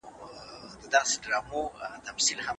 د سمندر د یوې څنډې نښتې